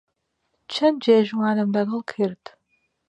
چەند جێژوانم لەگەڵ کرد